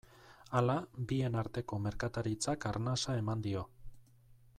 Hala, bien arteko merkataritzak arnasa eman dio.